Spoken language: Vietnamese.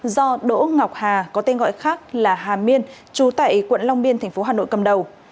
do đỗ ngọc hà có tên gọi khác là hà miên trú tại quận long biên tp hà nội cầm đầu